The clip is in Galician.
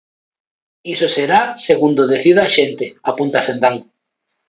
Iso será segundo decida a xente, apunta Cendán.